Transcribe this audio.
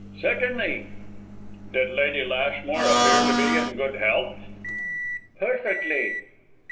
"Certainly." "Did Lady Lashmore appear to be in good health?" "Perfectly."